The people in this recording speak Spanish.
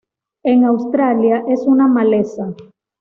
En Australia es una maleza.